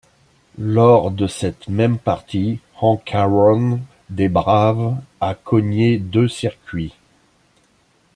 Lors de cette même partie, Hank Aaron des Braves a cogné deux circuits.